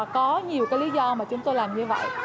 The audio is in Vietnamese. có nhiều cái lý do mà chúng tôi làm như vậy